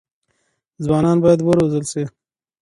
ځوانان بايد وروزل سي.